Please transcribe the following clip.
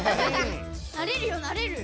なれるよなれる。